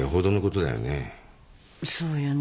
そうよね。